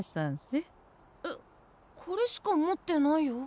えっこれしか持ってないよ。